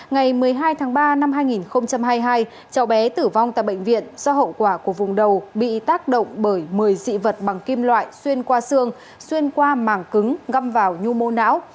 ngày một mươi hai tháng ba năm hai nghìn hai mươi hai cháu bé tử vong tại bệnh viện do hậu quả của vùng đầu bị tác động bởi một mươi dị vật bằng kim loại xuyên qua xương xuyên qua màng cứng ngâm vào nhu mô não